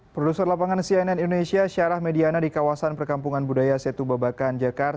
produser lapangan cnn indonesia syarah mediana di kawasan perkampungan budaya setubabakan jakarta